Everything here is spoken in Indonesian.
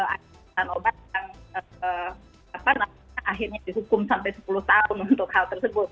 ada bahan obat yang akhirnya dihukum sampai sepuluh tahun untuk hal tersebut